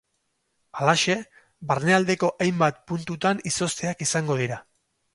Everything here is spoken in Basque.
Halaxe, barnealdeko hainbat puntutan izozteak izango dira.